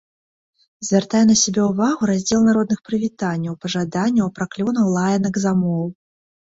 Звяртае на сябе ўвагу раздзел народных прывітанняў, пажаданняў, праклёнаў, лаянак, замоў.